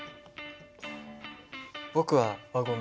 僕は輪ゴム。